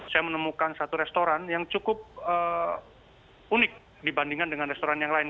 saya menemukan satu restoran yang cukup unik dibandingkan dengan restoran yang lain